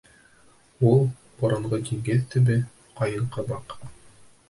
Ул — боронғо диңгеҙ төбө Ҡайынҡабаҡ.